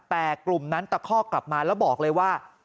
แต่กลุ่มนั้นตะคอกกลับมาแล้วบอกเลยว่า